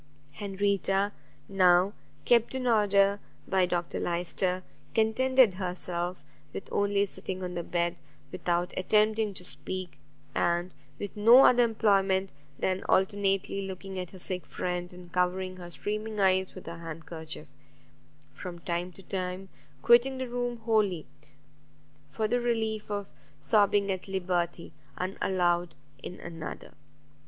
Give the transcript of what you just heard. Henrietta now, kept in order by Dr Lyster, contented herself with only sitting on the bed, without attempting to speak, and with no other employment than alternately looking at her sick friend, and covering her streaming eyes with her handkerchief; from time to time quitting the room wholly, for the relief of sobbing at liberty and aloud in another.